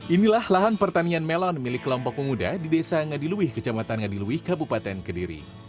inilah lahan pertanian melon milik kelompok muda di desa ngadiluih kecamatan ngadiluih kabupaten kediri